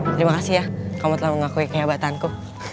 terima kasih ya kamu telah mengakui kehebatanku